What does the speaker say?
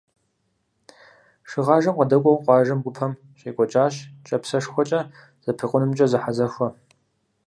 Шыгъажэм къыдэкӏуэу къуажэм гупэм щекӏуэкӏащ кӏапсэшхуэкӏэ зэпекъунымкӏэ зэхьэзэхуэ.